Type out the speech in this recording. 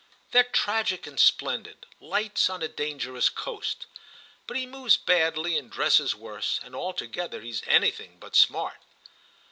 "They're tragic and splendid—lights on a dangerous coast. But he moves badly and dresses worse, and altogether he's anything but smart."